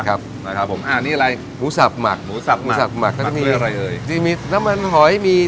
อ่าพอดีคำไป